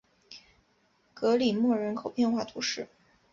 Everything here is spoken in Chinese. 格里莫人口变化图示